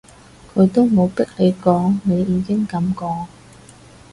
佢都冇逼你講，你已經噉講